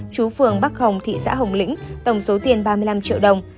chú phường bắc hồng thị xã hồng lĩnh tổng số tiền ba mươi năm triệu đồng